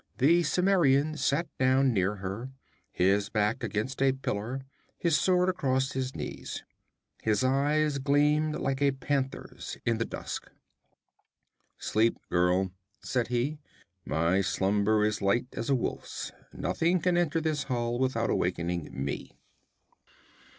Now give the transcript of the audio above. The Cimmerian sat down near her, his back against a pillar, his sword across his knees. His eyes gleamed like a panther's in the dusk. 'Sleep, girl,' said he. 'My slumber is light as a wolf's. Nothing can enter this hall without awaking me.'